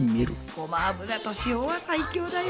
ごま油と塩は最強だよ。